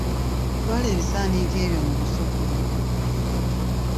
Twala ebisaaniiko ebyo mu lusuku.